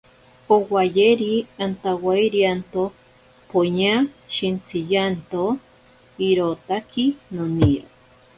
Owayeri, antawairianto poña shintsiyanto... irotaki noniro.